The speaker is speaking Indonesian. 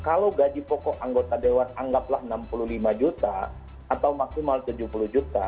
kalau gaji pokok anggota dewan anggaplah enam puluh lima juta atau maksimal tujuh puluh juta